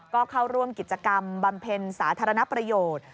ก็เข้าร่วมกิจกรรมบำเพ็ญสาธารณประโยชน์